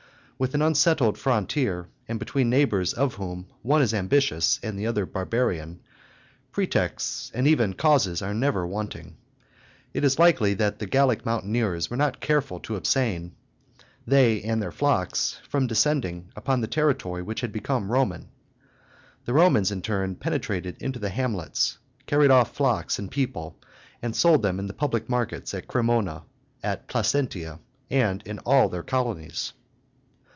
With an unsettled frontier, and between neighbors of whom one is ambitious and the other barbarian, pretexts and even causes are never wanting. It is likely that the Gallic mountaineers were not careful to abstain, they and their flocks, from descending upon the territory that had become Roman. The Romans, in turn, penetrated into the hamlets, carried off flocks and people, and sold them in the public markets at Cremona, at Placentia, and in all their colonies.